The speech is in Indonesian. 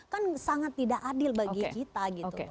kan sangat tidak adil bagi kita gitu